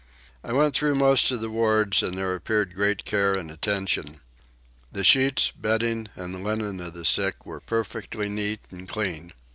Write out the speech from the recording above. I went through most of the wards and there appeared great care and attention. The sheets, bedding, and linen of the sick were perfectly neat and clean.